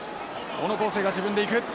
小野晃征が自分でいく。